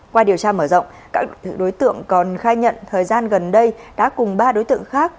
qua điều tra mở rộng các đối tượng còn khai nhận thời gian gần đây đã cùng ba đối tượng khác